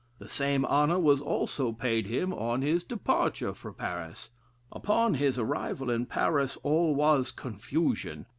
The same honor was also paid him on his departure for Paris." Upon his arrival in Paris all was confusion.